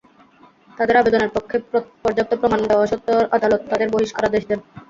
তাঁদের আবেদনের পক্ষে পর্যাপ্ত প্রমাণ দেওয়া সত্ত্বেও আদালত তাঁদের বহিষ্কারাদেশ দেন।